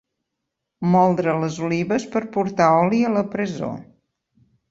Moldre les olives per portar oli a la presó.